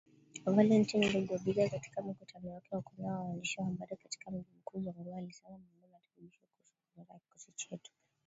Valentine Rugwabiza, katika mkutano wake wa kwanza na waandishi wa habari katika mji mkuu Bangui, alisema ameomba marekebisho kuhusu dhamira ya kikosi chetu